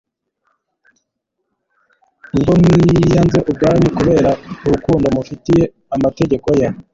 ubwo mwiyanze ubwanyu kubera urukundo mufitiye amategeko ye